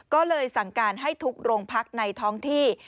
ก็เลยสั่งการให้ทุกโรงพักในท้องที่